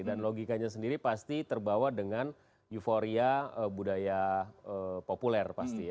dan logikanya sendiri pasti terbawa dengan euforia budaya populer